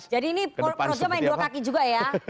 jadi ini projo main dua kaki juga ya